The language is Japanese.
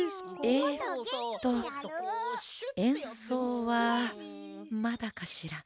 えっとえんそうはまだかしら？